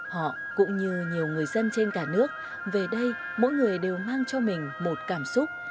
họ cũng như nhiều người dân trên cả nước về đây mỗi người đều mang cho mình một cảm xúc